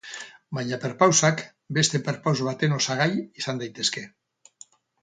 Baina perpausak beste perpaus baten osagai izan daitezke.